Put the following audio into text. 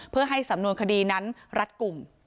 เพื่อให้สำนวนคดีนั้นรัดกลุ่ม